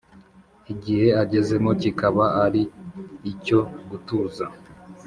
igihe agezemo kikaba ari icyo gutuza